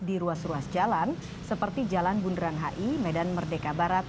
di ruas ruas jalan seperti jalan bundaran hi medan merdeka barat